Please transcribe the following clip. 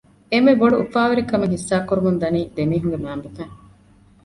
އެންމެ ބޮޑު އުފާވެރިކަމެއް ހިއްސާކުރަމުން ދަނީ ދެމީހުންގެ މައިންބަފައިން